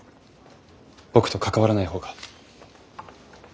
僕と関わらない方が。